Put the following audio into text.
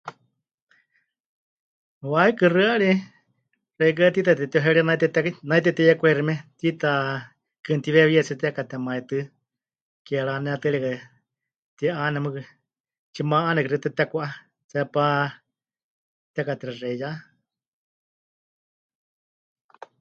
Waikɨ xɨari, xeikɨ́a tiita temɨteheuheiwe'erie nai tepɨte... nai tepɨteyekwaixime, tiitakɨ mɨtiweewíya 'aatsí tekatemaitɨ́, ke ranetɨarieka mɨti'aane mɨɨkɨ, tsima'anekɨ xeikɨ́a tepɨtekwá'a, tseepá tekatexexeiyá.